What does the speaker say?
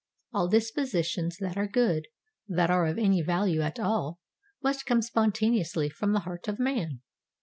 All dispositions that are good, that are of any value at all, must come spontaneously from the heart of man.